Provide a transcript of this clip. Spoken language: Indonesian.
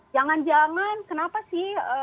jangan jangan kenapa sih